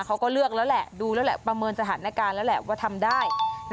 เขาก็เลือกแล้วแหละดูแล้วแหละประเมินสถานการณ์แล้วแหละว่าทำได้